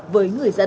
với người dân